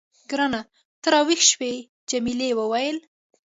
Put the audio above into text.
ګرانه، ته راویښ شوې؟ جميلې وويل:.